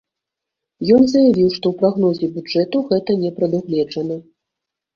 Ён заявіў, што ў прагнозе бюджэту гэта не прадугледжана.